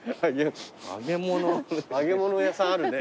揚げ物屋さんあるね。